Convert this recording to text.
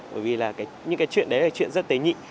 bởi vì là những cái chuyện đấy là chuyện rất tế nhị